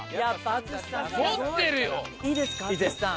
淳さん。